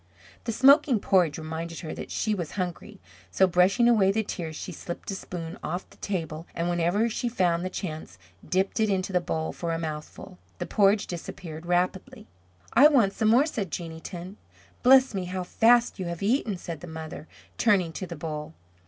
The smoking porridge reminded her that she was hungry; so brushing away the tears she slipped a spoon off the table and whenever she found the chance, dipped it into the bowl for a mouthful. The porridge disappeared rapidly. "I want some more," said Jeanneton. "Bless me, how fast you have eaten," said the mother, turning to the bowl.